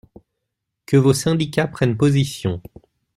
que vos syndicats prennent position